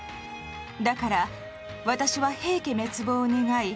だから私は平家滅亡を願い